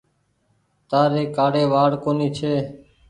تآري ڪآڙي وآڙ ڪونيٚ ڇي۔